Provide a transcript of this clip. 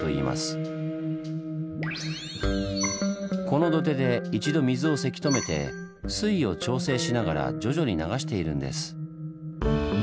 この土手で一度水をせき止めて水位を調整しながら徐々に流しているんです。